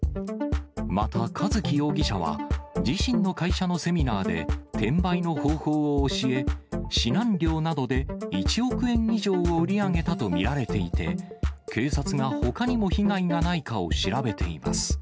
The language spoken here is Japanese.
また数紀容疑者は、自身の会社のセミナーで転売の方法を教え、指南料などで１億円以上を売り上げたと見られていて、警察が、ほかにも被害がないかを調べています。